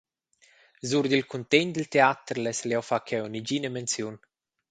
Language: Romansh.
Sur dil cuntegn dil teater lessel jeu far cheu negina menziun.